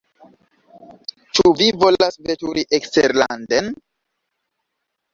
Ĉu vi volas veturi eksterlanden?